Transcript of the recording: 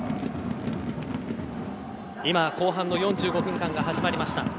今、後半の４５分間が始まりました。